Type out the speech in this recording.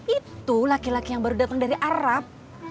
itu laki laki yang baru datang dari arab